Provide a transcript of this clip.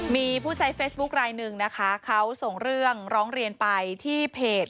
มีผู้ใช้เฟซบุ๊คลายหนึ่งนะคะเขาส่งเรื่องร้องเรียนไปที่เพจ